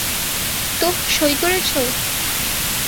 তো, সঁই করেছ?